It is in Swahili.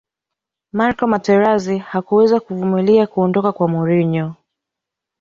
marco materazi hakuweza kuvumilia kuondoka kwa mourinho